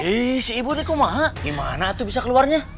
ih si ibu ini kumaha gimana tuh bisa keluarnya